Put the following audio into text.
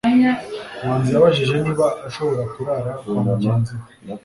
manzi yabajije niba ashobora kurara kwa mugenzi we